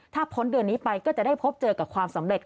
ถ้าพ้นเดือนนี้ไปก็จะได้พบเจอกับความสำเร็จ